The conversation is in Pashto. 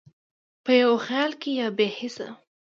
په یو خیال کې یا بې هېڅه،